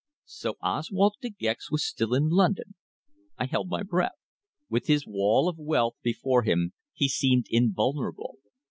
So Oswald De Gex was still in London! I held my breath. With his wall of wealth before him he seemed invulnerable.